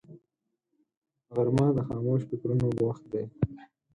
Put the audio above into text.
غرمه د خاموش فکرونو وخت دی